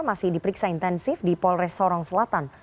masih diperiksa intensif di polres sorong selatan